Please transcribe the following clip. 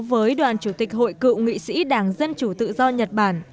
với đoàn chủ tịch hội cựu nghị sĩ đảng dân chủ tự do nhật bản